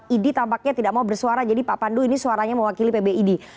idi tampaknya tidak mau bersuara jadi pak pandu ini suaranya mewakili pbid